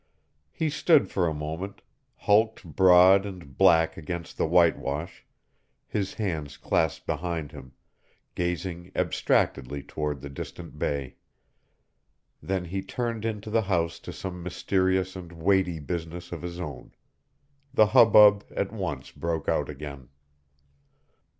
He stood for a moment hulked broad and black against the whitewash his hands clasped behind him, gazing abstractedly toward the distant bay. Then he turned into the house to some mysterious and weighty business of his own. The hubbub at once broke out again.